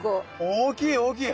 大きい大きい！